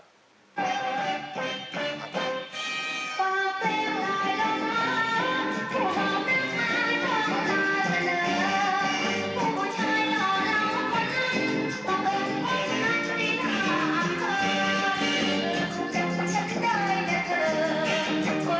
เลยค่ะ